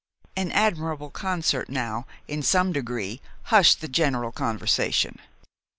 An admirable concert now, in some degree, hushed the general conversation.